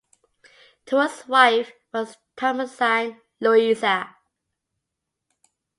Tuer's wife was Thomasine Louisa.